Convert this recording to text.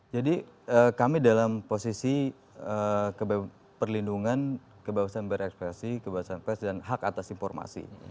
jadi kami dalam posisi perlindungan kebawasan berekspresi kebawasan press dan hak atas informasi